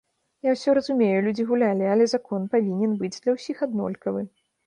Я ўсё разумею, людзі гулялі, але закон павінен быць для ўсіх аднолькавы.